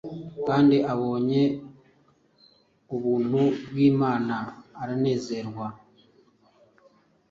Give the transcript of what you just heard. kandi abonye ubuntu bw’Imama aranezerwa,